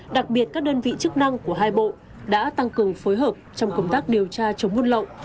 đặc biệt các đơn vị chức năng của hai bộ đã tăng cường phối hợp trong công tác điều tra chống buôn lậu